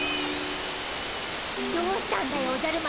どうしたんだよおじゃる丸。